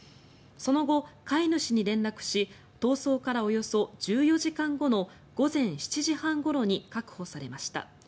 その後、飼い主に連絡し逃走からおよそ１４時間後の午前７時半ごろに確保されました。